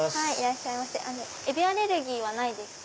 エビアレルギーはないですか？